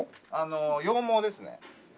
羊毛ですね。